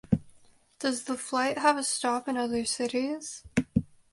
Does the flight have a stop in other cities?